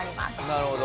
なるほど。